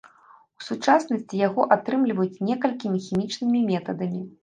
У сучаснасці яго атрымліваюць некалькім хімічнымі метадамі.